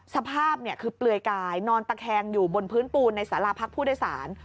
สภาพคือเปลือยกายนอนตะแคงอยู่บนพื้นปูนในสาราพักผู้โดยสาร